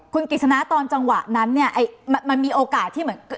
คุณกิจสนาตอนจังหวะนั้นเนี่ยมันมีโอกาสที่เหมือน